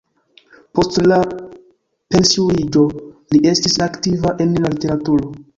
Post la pensiuliĝo li estis aktiva en la literaturo.